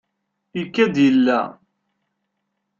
Ikad yella.